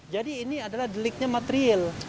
jadi ini adalah deliknya material